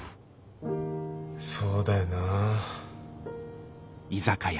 そうだよな。